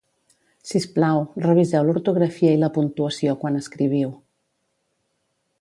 Sisplau, reviseu l'ortografia i la puntuació quan escriviu